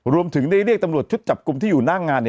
รวมถึงได้เรียกตำรวจชุดจับกลุ่มที่อยู่หน้างาน